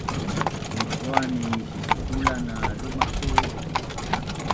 Michuan ni sisipulan na lumaq su?